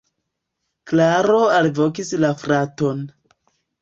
Klaro alvokis la fraton.